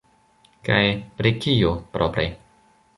Kaj pri kio, propre?